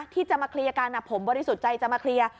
ที่จะมาเคลียร์กันผมบริสุทธิ์ใจจะมาเคลียร์